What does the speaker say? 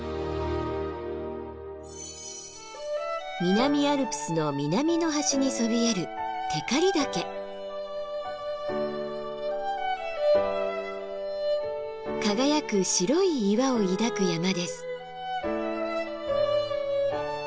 南アルプスの南の端にそびえる輝く白い岩を抱く山です。